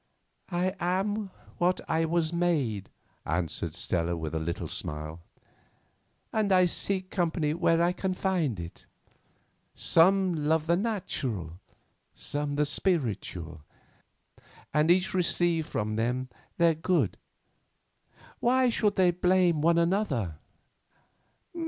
"I am what I was made," answered Stella with a little smile, "and I seek company where I can find it. Some love the natural, some the spiritual, and each receive from them their good. Why should they blame one another?"